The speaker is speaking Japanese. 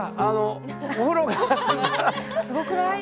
すごくない？